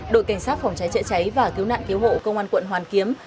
đội cảnh sát phòng cháy chữa cháy và cứu nạn cứu hộ công an quận hoàn kiếm